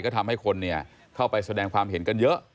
ก็ทำให้คนเข้าไปแสดงความเห็นกันเยอะ